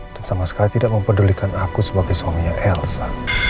dan sama sekali tidak mempedulikan aku sebagai suaminya elsa